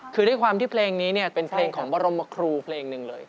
คือด้วยความที่เพลงนี้เนี่ยเป็นเพลงของบรมครูเพลงหนึ่งเลย